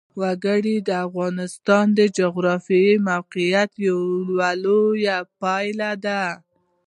وګړي د افغانستان د جغرافیایي موقیعت یوه لویه پایله ده.